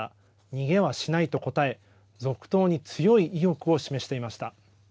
逃げはしないと答え続投に強い意欲を示していました。